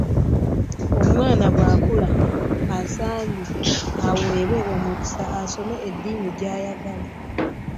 Omwana bw'akula asaanye aweebwe omukisa asome eddiini gy'ayagala.